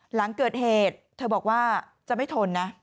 หลังเกิดเหตุเธอบอกว่าจะไม่ทนนะ